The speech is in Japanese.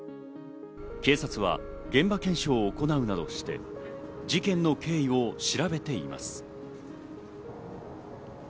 警察は現場検証を行うなどして事件の経緯を調べています。